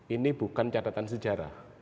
ini bukan catatan sejarah